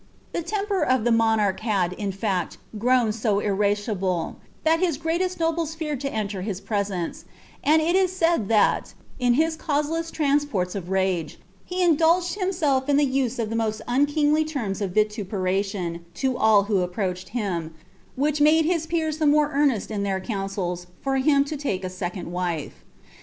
The temper of the monarch had, in foct, grown so irascible, ihat his grealest nobles ftmml to enter his presence, and it is said thai, in his causeless tranepona aS rage, he indulged himself in the use of the most unkingly lenna o( ' peration to all who approached him ;' which made his peers ttia earnest in their counsels for him lo lake a second wife.